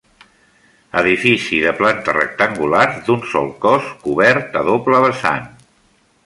Edifici de planta rectangular d'un sol cos, cobert a doble vessant.